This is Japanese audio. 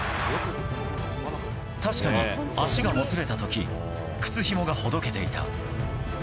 確かに足がもつれた時靴ひもがほどけていた。